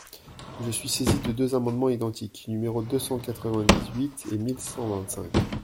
Je suis saisie de deux amendements identiques, numéros deux cent quatre-vingt-dix-huit et mille cent vingt-cinq.